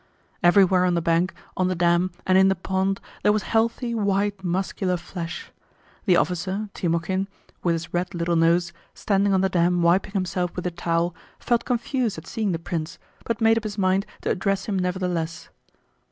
Everywhere on the bank, on the dam, and in the pond, there was healthy, white, muscular flesh. The officer, Timókhin, with his red little nose, standing on the dam wiping himself with a towel, felt confused at seeing the prince, but made up his mind to address him nevertheless.